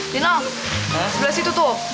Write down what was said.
linol sebelah situ tuh